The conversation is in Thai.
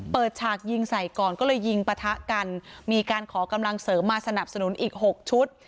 ฉากยิงใส่ก่อนก็เลยยิงปะทะกันมีการขอกำลังเสริมมาสนับสนุนอีกหกชุด